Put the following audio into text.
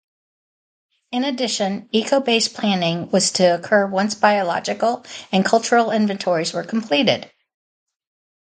In addition, Eco-Based Planning was to occur once biological and cultural inventories were completed.